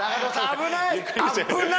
危ないぞ！